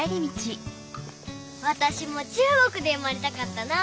わたしも中国で生まれたかったな。